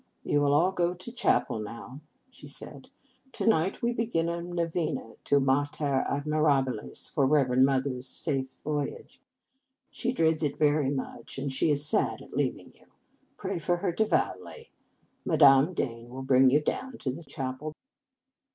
"You will all go to the chapel now," she said. " To night we begin a novena to Mater Admirabilis for Reverend Mother s safe voyage. She dreads it very much, and she is sad at leaving you. Pray for her devoutly. Madame Dane will bring you down to the chapel."